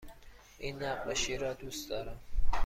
این نقاشی را دوست دارم.